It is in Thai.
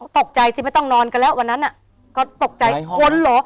ตกใจสิไม่ต้องนอนกันแล้ววันนั้นอ่ะก็ตกใจคนเหรอ